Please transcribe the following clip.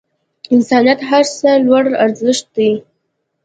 انسانیت تر هر څه لوړ ارزښت دی.